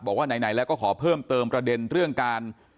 บอกว่าไหนแล้วก็ขอเพิ่มเติมประเด็นเรื่องการ